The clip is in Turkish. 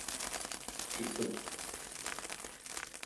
Çıktım.